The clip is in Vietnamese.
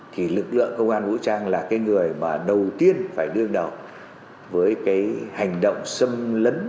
thì lực lượng công an vũ trang là cái người mà đầu tiên phải đương đầu với cái hành động xâm lấn